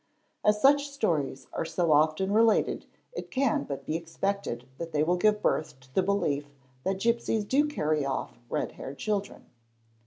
As such stories are so often related it can but be expected that they will give birth to the belief that gipsies do carry off red haired children.